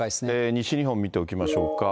西日本見ていきましょうか。